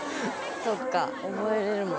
そっか覚えれるもんね。